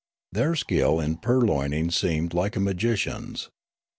Their skill in purloining seemed like a magician's.